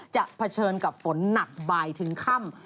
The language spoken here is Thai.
เผชิญกับฝนหนักบ่ายถึงค่ำ